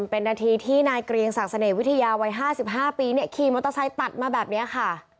เป็นนาทีที่นายเกรียงศักดิเสน่หวิทยาวัย๕๕ปีขี่มอเตอร์ไซค์ตัดมาแบบนี้ค่ะ